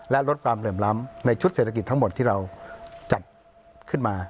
และลดความเหลื่อมล้ำในชุดเศรษฐกิจทั้งหมดที่เราจัดขึ้นมา